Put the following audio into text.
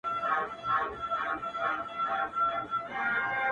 د حق مخ ته به دریږو څنګ پر څنګ به سره مله یو -